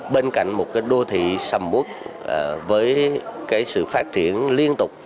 bên cạnh một cái đô thị sầm mút với cái sự phát triển liên tục